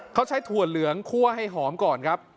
เขาใช้ถั่วเหลืองคั่วให้หอมก่อนครับ